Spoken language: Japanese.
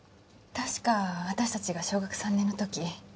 たしか私たちが小学３年のとき。